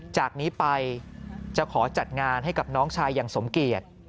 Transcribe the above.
จากนี้ไปจะขอจัดงานให้กับน้องชายอย่างสมเกียจ